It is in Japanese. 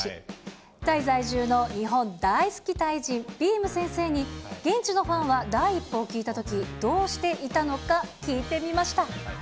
タイ在住の日本大好きタイ人、びーむ先生に現地のファンは第一報を聞いたとき、どうしていたのか聞いてみました。